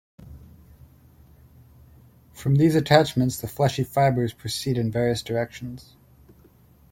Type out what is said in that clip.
From these attachments the fleshy fibers proceed in various directions.